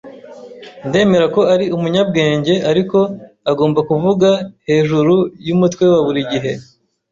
Ndemera ko ari umunyabwenge, ariko agomba kuvuga hejuru yumutwe wa buri gihe?